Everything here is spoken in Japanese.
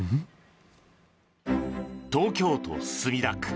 東京都墨田区。